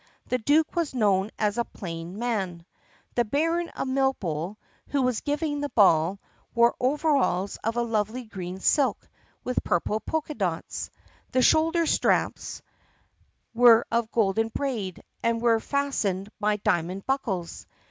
The duke was known as a plain man. The Baron of Milkbowl, who was giving the ball, wore overalls of lovely green silk with purple polka dots. The shoulder straps were of golden braid and were fastened by diamond buckles.